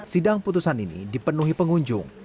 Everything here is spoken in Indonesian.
sidang putusan ini dipenuhi pengunjung